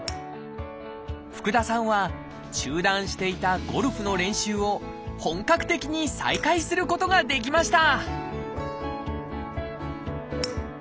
福田さんは中断していたゴルフの練習を本格的に再開することができました！